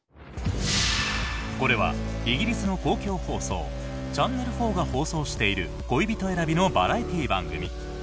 これはイギリスの公共放送チャンネル４が放送している恋人選びのバラエティー番組。